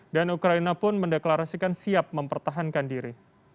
dan ukraina pun mendeklarasikan siap mempertahankan diri